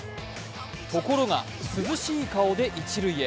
ところが、涼しい顔で一塁へ。